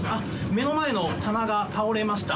目の前の棚が倒れました。